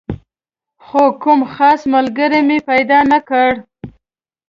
خو کوم خاص ملګری مې پیدا نه کړ.